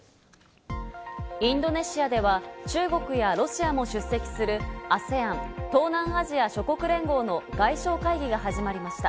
インドネシアでは、中国やロシアも出席するＡＳＥＡＮ＝東南アジア諸国連合の外相会議が始まりました。